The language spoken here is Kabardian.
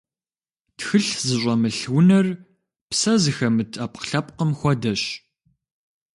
Тхылъ зыщӏэмылъ унэр псэ зыхэмыт ӏэпкълъэпкъым хуэдэщ.